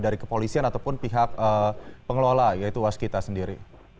dari kepolisian ataupun pihak pengelola yaitu waskita sendiri